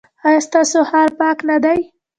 ایا ستاسو ښار پاک نه دی؟